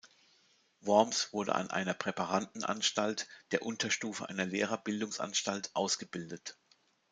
Worms wurde an einer Präparandenanstalt, der Unterstufe einer Lehrerbildungsanstalt, ausgebildet.